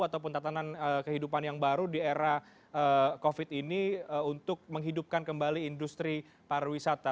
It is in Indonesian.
ataupun tatanan kehidupan yang baru di era covid ini untuk menghidupkan kembali industri pariwisata